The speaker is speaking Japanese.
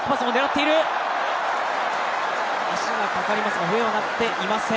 足がかかりましたが、笛は鳴っていません。